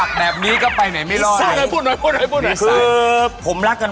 คือผมรักกันมาเนี่ยทั้งหมด๑๖ปี๑๖ปีใช่ไหมเนาะ